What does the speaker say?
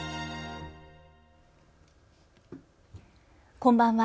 こんばんは。